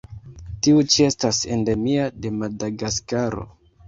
Tiu ĉi estas endemia de Madagaskaro.